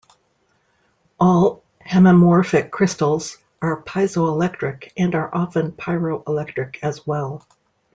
All hemimorphic crystals are piezoelectric, and are often pyroelectric as well.